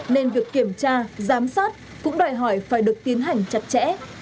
nên việc kiểm tra giám sát cũng đòi hỏi phải được tiến hành chặt chẽ